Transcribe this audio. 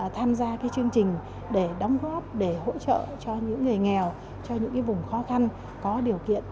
tham gia chương trình để đóng góp để hỗ trợ cho những người nghèo cho những vùng khó khăn có điều kiện